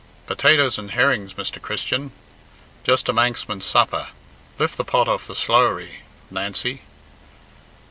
Potatoes and herrings, Mr. Christian; just a Manxman's supper. Lift the pot off the slowrie, Nancy."